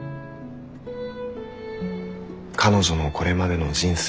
彼女のこれまでの人生